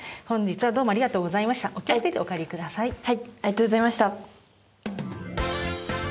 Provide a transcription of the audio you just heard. はい。